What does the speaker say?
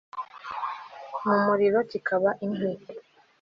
mu muriro kikaba inkwi